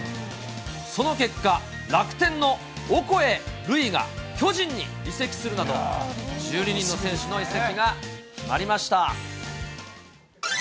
その結果、楽天のオコエ瑠偉が、巨人に移籍するなど、１２人の選手の移籍が決まりました。